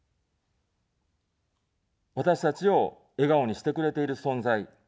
私たちを笑顔にしてくれている存在。